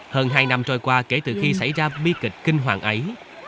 hơn hai năm trôi qua kể từ khi xảy ra bi kịch kinh hoàng ấy